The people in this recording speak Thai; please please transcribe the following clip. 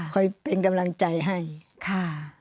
คอยเป็นกำลังใจให้ค่ะ